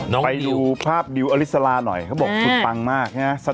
ไปดูภาพดิวอาริสราหน่อยเขาบอกหุ่นปังมากใช่ไหมครับ